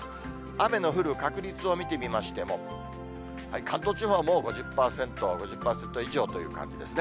雨の降る確率を見てみましても、関東地方はもう５０％、５０％以上という感じですね。